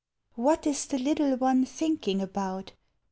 What is the little one thinking about?